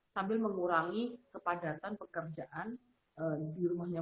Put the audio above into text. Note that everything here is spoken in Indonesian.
sambil mengurangi kepadatan pekerjaan di rumahnya